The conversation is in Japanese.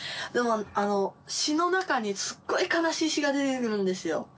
でも、詞の中にすっごい悲しい詞が出てくるんですよ。